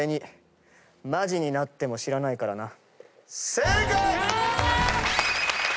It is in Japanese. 正解！